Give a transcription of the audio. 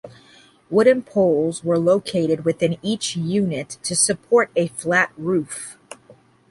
Wooden poles were located within each unit to support a flat roof.